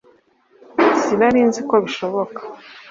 sinari nzi ko bishoboka